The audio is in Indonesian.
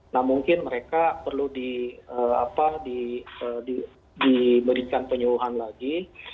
nah mungkin mereka perlu diberikan penyuluhan lagi